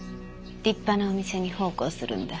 立派なお店に奉公するんだ。